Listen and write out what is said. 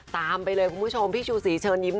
ตามไปเลยคุณผู้ชมพี่ชูศรีเชิญยิ้ม